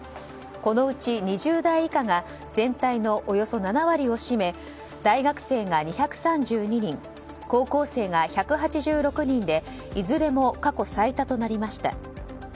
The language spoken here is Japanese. このうち２０代以下が全体のおよそ７割を占め大学生が２３２人高校生が１８６人でいずれも過去最多となりました。